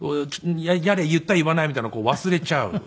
やれ言った言わないみたいな忘れちゃう。